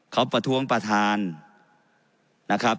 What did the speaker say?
เขาประท้วงประธานนะครับ